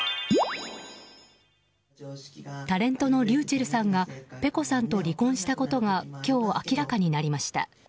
タレントのｒｙｕｃｈｅｌｌさんがｐｅｃｏさんと離婚したことが今日、明らかになりました。